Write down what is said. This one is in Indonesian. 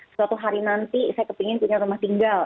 suatu hari nanti saya kepingin punya rumah tinggal